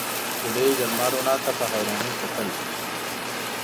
نجلۍ د لمر رڼا ته په حيرانۍ کتل.